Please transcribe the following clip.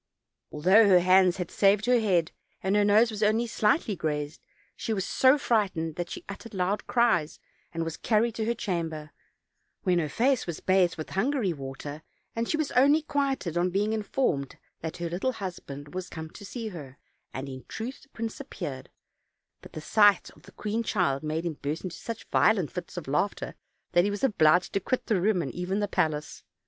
Although her hands had saved her head, and her nose was only slightly grazed, she was so frightened that she uttered loud cries, and was carried to her chamber, when her face was bathed with Hungary water, and she was only quieted on being informed that her little hus band was come to see her, and in truth the prince ap OLD, OLD FAIRY TALES. 355 > pearea, but the sight of the queen child made him burst into such violent tits of laughter that he was obliged to quit the room and even the palace.